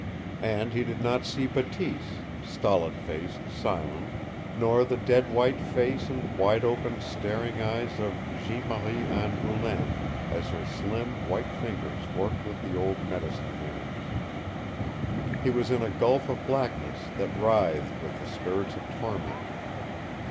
And he did not see Bateese, stolid faced, silent, nor the dead white face and wide open, staring eyes of Jeanne Marie Anne Boulain as her slim, white fingers worked with the old medicine man's. He was in a gulf of blackness that writhed with the spirits of torment.